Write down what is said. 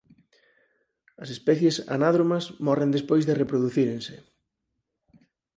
As especies anádromas morren despois de reproducírense.